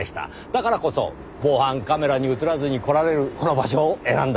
だからこそ防犯カメラに映らずに来られるこの場所を選んだのでしょう。